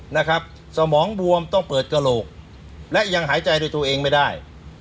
นะครับสมองบวมต้องเปิดกระโหลกและยังหายใจโดยตัวเองไม่ได้